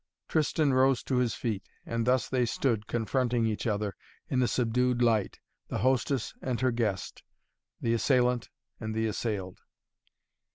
Tristan rose to his feet, and thus they stood, confronting each other in the subdued light the hostess and her guest the assailant and the assailed.